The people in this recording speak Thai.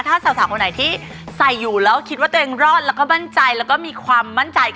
ถ้าสาวคนไหนที่ใส่อยู่แล้วคิดว่าตัวเองรอดแล้วก็มั่นใจแล้วก็มีความมั่นใจ